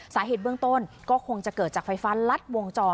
สาเหตุเบื้องต้นก็คงจะเกิดจากไฟฟ้ารัดวงจร